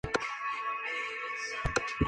La estación de St.